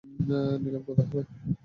নিলাম কোথায় হবে?